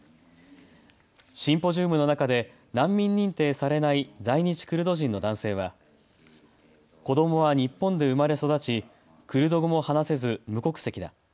シンポジウムの中で難民認定されない在日クルド人の男性は子どもは日本で生まれ育ちクルド語も話せず無国籍だ。